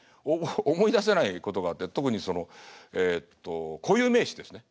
思い出せないことがあって特にそのえっと固有名詞ですね。